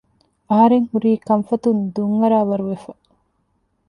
އަހަރެންހުރީ ކަންފަތުން ދުން އަރާވަރު ވެފަ